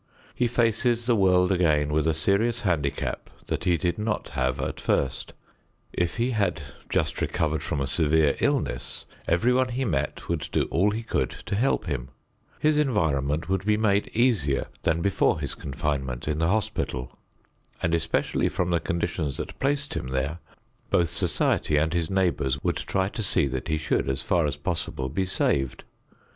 He faces the world again with a serious handicap that he did not have at first. If he had just recovered from a severe illness, everyone he met would do all he could to help him; his environment would be made easier than before his confinement in the hospital; and especially from the conditions that placed him there, both society and his neighbors would try to see that he should, as far as possible, be saved.